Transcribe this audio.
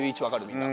みんな。